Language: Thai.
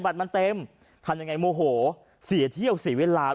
มันเต็มทำยังไงโมโหเสียเที่ยวเสียเวลา